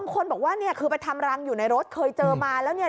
คนบอกว่าคือไปทำรังอยู่ในรถเคยเจอมาแล้ว